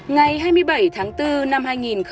ngày hai mươi bảy tháng bốn năm hai nghìn hai mươi